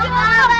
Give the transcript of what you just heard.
itu itu apa